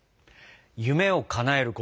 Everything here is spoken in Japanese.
夢をかなえること